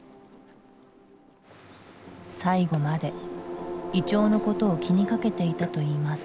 最後までイチョウのことを気にかけていたといいます。